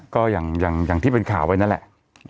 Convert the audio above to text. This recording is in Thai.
ก็อย่างที่เป็นข่าวไว้นั่นแหละ